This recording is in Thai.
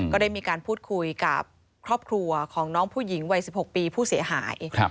ก็ได้มีการพูดคุยกับครอบครัวของน้องผู้หญิงวัย๑๖ปีผู้เสียหาย